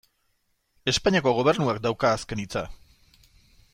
Espainiako Gobernuak dauka azken hitza.